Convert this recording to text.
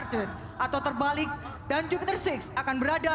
dibutuhkan kerjasama kita